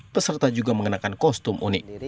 peserta juga mengenakan kostum unik